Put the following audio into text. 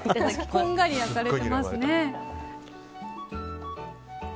こんがり焼かれてますね。